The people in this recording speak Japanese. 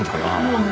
うん。